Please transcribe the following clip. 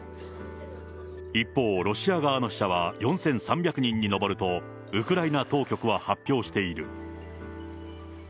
一方、ロシア側の死者は４３００人に上ると、ウクライナ当局は発表している。